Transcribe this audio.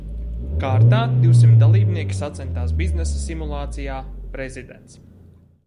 Kārtā divsimt dalībnieki sacentās biznesa simulācijā "Prezidents".